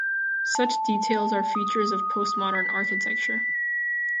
Such details are features of postmodern architecture.